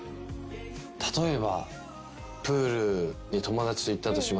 例えば。